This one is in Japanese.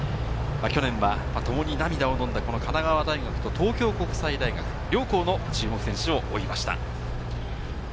去年は、ともに涙をのんだ神奈川大学と東京国際大学、両校の注目選手を追いました。